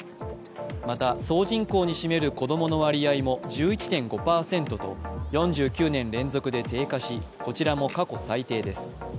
また、総人口に占める子供の割合も１１．５％と、４９年連続で低下し、こちらも過去最低です。